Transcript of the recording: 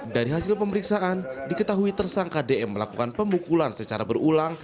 dari hasil pemeriksaan diketahui tersangka dm melakukan pemukulan secara berulang